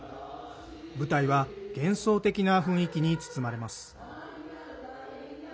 舞台は幻想的な雰囲気に包まれます。